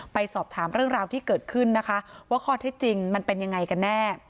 ไปสอบถามเรื่องราวที่เกิดขึ้นนะคะว่าข้อเท็จจริงมันเป็นยังไงกันแน่